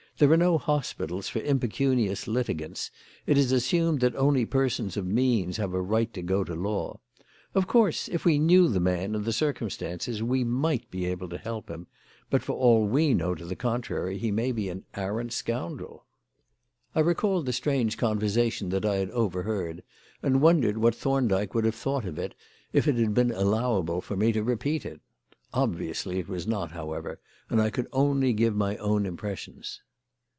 "There are no hospitals for impecunious litigants; it is assumed that only persons of means have a right to go to law. Of course, if we knew the man and the circumstances we might be able to help him; but, for all we know to the contrary, he may be an arrant scoundrel." I recalled the strange conversation that I had overheard, and wondered what Thorndyke would have thought of it if it had been allowable for me to repeat it. Obviously it was not, however, and I could only give my own impressions.